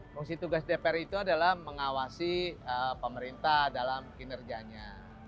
fungsi tugas dpr itu adalah mengawasi pemerintah dalam kinerjanya